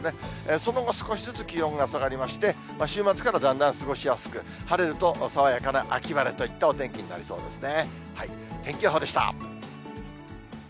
その後、少しずつ気温が下がりまして、週末からだんだん過ごしやすく、晴れると爽やかな秋晴れといったお天気になりそうですね。